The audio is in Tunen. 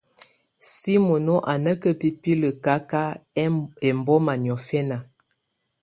Simónó á ná ká bibilǝ káka ɛmbɔ́má niɔ́fɛna.